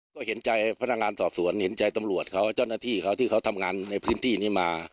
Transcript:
ก็เห็นใจพนักงานสอบสวนเห็นใจตำรวจเขาเจ้าหน้าที่เขาที่เขาทำงานในพื้นที่นี้มา